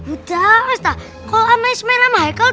udah mas tak kalau sama ismail sama haikal